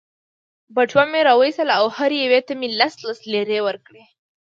بټوه مې را وایستل او هرې یوې ته مې لس لس لیرې ورکړې.